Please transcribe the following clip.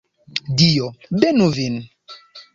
Dio benu vin.